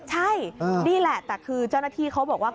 ใช่นี่แหละแต่คือเจ้าหน้าที่เขาบอกว่า